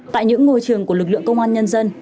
tại những ngôi trường của lực lượng công an nhân dân